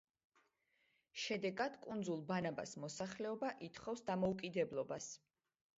შედეგად კუნძულ ბანაბას მოსახლეობა ითხოვს დამოუკიდებლობას.